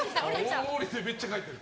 降りて、めっちゃ書いてる。